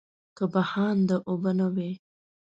که بهانده اوبه نه وای.